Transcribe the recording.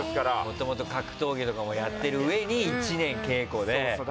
もともと格闘技とかもやっているうえに、１年稽古で。